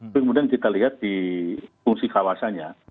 tapi kemudian kita lihat di fungsi kawasannya